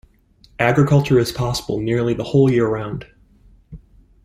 Agriculture is possible nearly the whole year round.